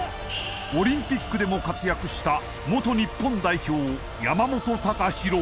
オリンピックでも活躍した元日本代表山本隆弘